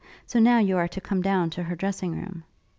So now you are to come down to her dressing room.'